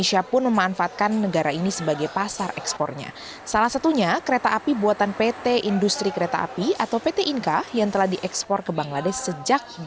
satunya kereta api buatan pt industri kereta api atau pt inka yang telah diekspor ke bangladesh sejak dua ribu enam